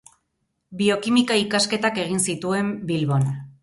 Biokimika ikasketak egin zituen Bilbon.